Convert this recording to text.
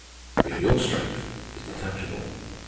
"But your strength is detachable.